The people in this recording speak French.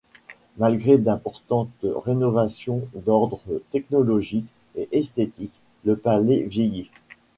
Malgré d’importantes rénovations d’ordre technologique et esthétique, le Palais vieillit.